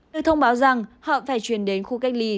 được thông báo rằng họ phải chuyển đến khu cách ly